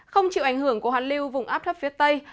không chịu ảnh hưởng của hoàn lưu vùng áp thấp phía tây